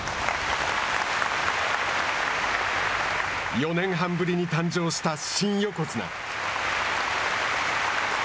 ４年半ぶりに誕生した新横綱。